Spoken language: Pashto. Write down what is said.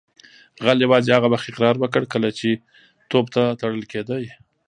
غل یوازې هغه وخت اقرار وکړ کله چې توپ ته تړل کیده